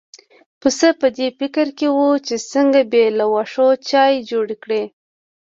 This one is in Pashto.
پسه په دې فکر کې و چې څنګه بې له واښو چای جوړ کړي.